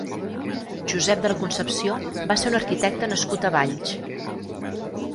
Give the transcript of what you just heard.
Josep de la Concepció va ser un arquitecte nascut a Valls.